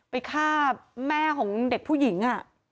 ไปฆ่าแม่ของเด็กผู้หญิง